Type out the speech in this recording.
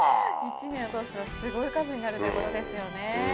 一年通したらすごい数になるってことですよね。